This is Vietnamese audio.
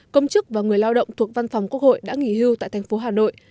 công chức và người lao động thuộc văn phòng quốc hội đã nghỉ hưu tại thành phố hà nội